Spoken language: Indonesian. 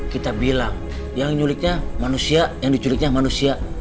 kita bilang yang nyuliknya manusia yang diculiknya manusia